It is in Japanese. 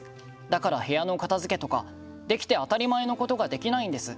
だから部屋の片づけとかできて当たり前のことができないんです。